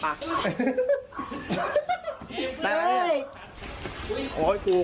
โอ้โหขู่